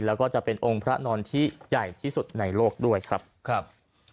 แล้วก็จะเป็นองค์พระนอนที่ใหญ่ที่สุดในโลกด้วยครับ